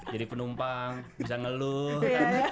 jadi penumpang bisa ngeluh